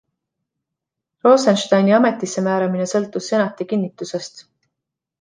Rosensteini ametisse määramine sõltus senati kinnitusest.